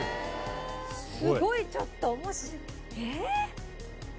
すごいちょっと面白えーっ！？